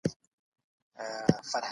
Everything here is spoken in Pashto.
مرګ هیڅ ډول درد نه لري.